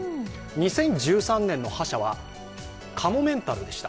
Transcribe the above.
２０１３年の覇者はかもめんたるでした。